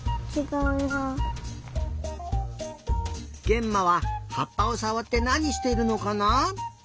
げんまははっぱをさわってなにしてるのかな？